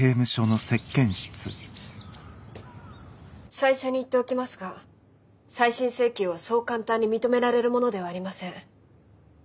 最初に言っておきますが再審請求はそう簡単に認められるものではありません。